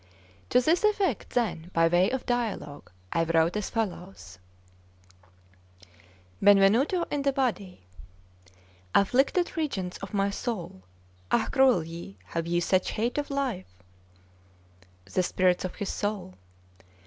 To this effect, then, by way of dialogue, I wrote as follows: 'Benvenuto in the body. 'Afflicted regents of my soul! Ah, cruel ye! have ye such hate of life? 'The Spirits of his soul.